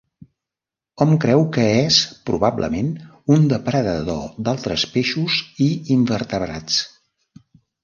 Hom creu que és, probablement, un depredador d'altres peixos i invertebrats.